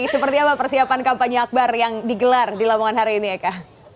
seperti apa persiapan kampanye akbar yang digelar di lamongan hari ini eka